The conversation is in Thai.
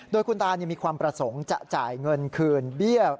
โดยคุณตามีความประสงค์จะจ่ายเงินคืนเบี้ย